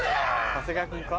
長谷川君か？